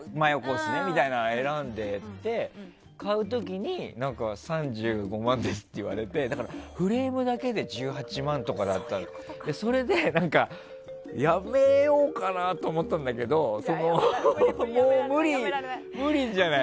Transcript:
選んでいって買う時に３５万ですって言われてフレームだけで１８万とかだった。それで、やめようかなと思ったんだけどもう無理じゃない？